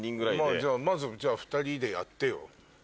まずじゃあ２人でやってよ。